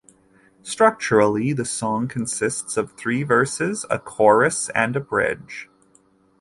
Structurally, the song consists of three verses, a chorus, and a bridge.